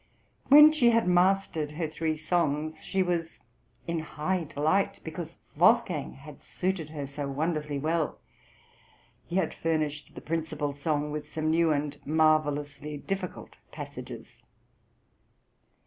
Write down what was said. When she had mastered her three songs she was "in high delight, because Wolfgang had suited her so wonderfully well." He had furnished the principal song with some new and marvellously difficult passages.